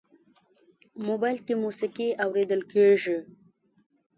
موبایل کې موسیقي هم اورېدل کېږي.